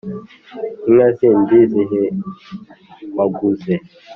inka zindi zihe waguze’